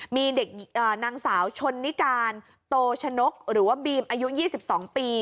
มีเด็กนางสาวชนนิการโตชนกหรือว่าบีมอายุ๒๒ปี